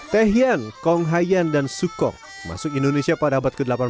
tehian konghaian dan sukong masuk indonesia pada abad ke delapan belas